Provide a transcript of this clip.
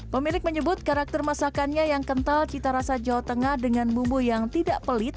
pemilik menyebut karakter masakannya yang kental cita rasa jawa tengah dengan bumbu yang tidak pelit